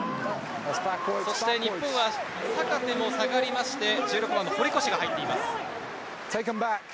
そして日本は坂手も下がって１６番の堀越が入っています。